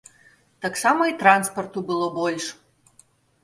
Таксама і транспарту было больш.